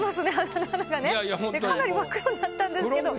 かなり真っ黒になったんですけど。